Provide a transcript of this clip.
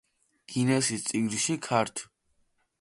გინესის წიგნში ქართ.